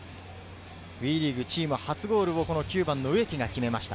ＷＥリーグ、チーム初ゴールを９番・植木が決めました。